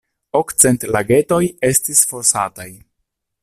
Okcent lagetoj estis fosataj.